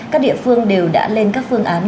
các địa phương đều đã lên các phương án